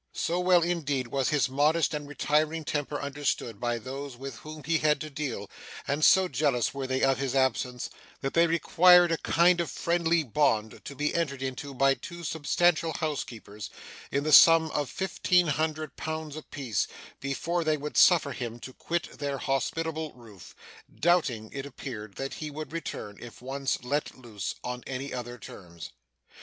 So well, indeed, was his modest and retiring temper understood by those with whom he had to deal, and so jealous were they of his absence, that they required a kind of friendly bond to be entered into by two substantial housekeepers, in the sum of fifteen hundred pounds a piece, before they would suffer him to quit their hospitable roof doubting, it appeared, that he would return, if once let loose, on any other terms.